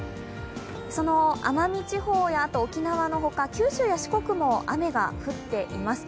その奄美地方や沖縄のほか九州や四国も雨が降っています。